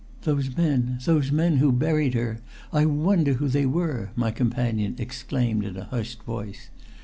"Those men those men who buried her! I wonder who they were?" my companion exclaimed in a hushed voice.